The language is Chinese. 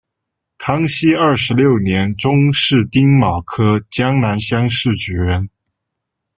康熙二十六年中式丁卯科江南乡试举人。